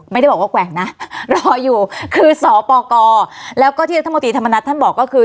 ไม่ได้บอกว่าแกว่งนะรออยู่คือสปกรแล้วก็ที่รัฐมนตรีธรรมนัฐท่านบอกก็คือ